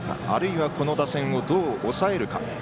あるいはこの打線をどう抑えるか。